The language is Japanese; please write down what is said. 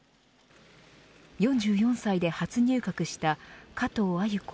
４４歳で初入閣した加藤鮎子